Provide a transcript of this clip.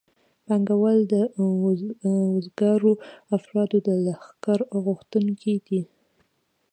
پانګوال د وزګارو افرادو د لښکر غوښتونکي دي